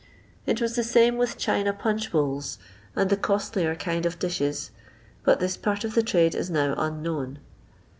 It was the same with China punch bowls, and the costlier kind of dishes, but this part of the trade is now unknown.